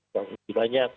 yang lebih banyak